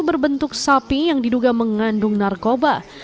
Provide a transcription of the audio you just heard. berbentuk sapi yang diduga mengandung narkoba